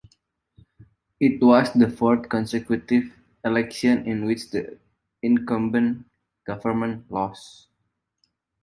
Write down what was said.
It was the fourth consecutive election in which the incumbent government lost.